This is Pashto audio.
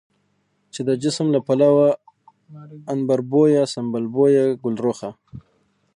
چې د جسم له پلوه عنبربويه، سنبل مويه، ګلرخه،